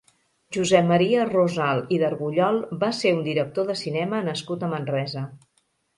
Josep Maria Rosal i d'Argullol va ser un director de cinema nascut a Manresa.